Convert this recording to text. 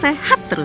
biar lebih cocok